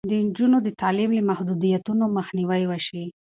د نجونو د تعلیم له محدودیتونو مخنیوی وشي.